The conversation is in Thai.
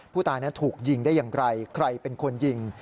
ผู้ตายนั้นถูกยิงได้อย่างไรใครเป็นคนยิง